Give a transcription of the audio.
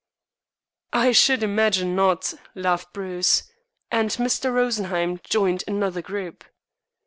"I should imagine not," laughed Bruce; and Mr. Rosenheim joined another group.